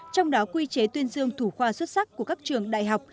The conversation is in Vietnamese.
trong đó quy chế tuyên dương thủ khoa xuất sắc của các trường đại học